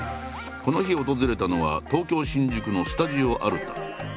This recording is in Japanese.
この日訪れたのは東京・新宿のスタジオアルタ。